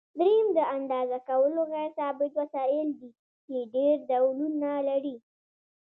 دریم د اندازه کولو غیر ثابت وسایل دي چې ډېر ډولونه لري.